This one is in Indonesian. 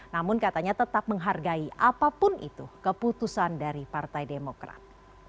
namun katanya tetap menghargai apapun itu keputusan dari partai demokrat